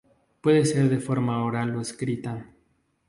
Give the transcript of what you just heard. Puede ser de forma oral o escrita.